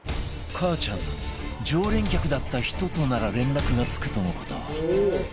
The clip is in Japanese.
かあちゃんの常連客だった人となら連絡がつくとの事